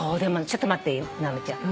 ちょっと待って直美ちゃん。